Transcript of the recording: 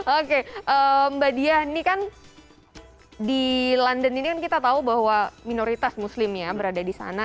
oke mbak diah ini kan di london ini kan kita tahu bahwa minoritas muslimnya berada di sana